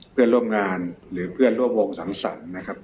เพื่อนร่วมงานหรือเพื่อนร่วมวงสังสรรค์นะครับ